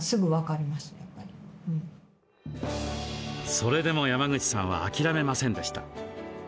それでも山口さんは諦めませんでした。